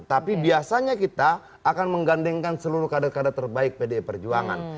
tapi biasanya kita akan menggandengkan seluruh kader kader terbaik pdi perjuangan